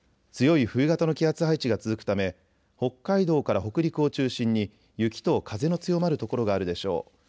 強い冬型の気圧配置が続くため北海道から北陸を中心に雪と風の強まる所があるでしょう。